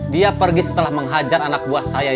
dia pergi setelah menghajar anak keep